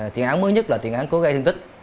tiền án mới nhất là tiền án cố gây thương tích